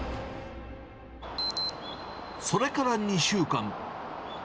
それから２週間。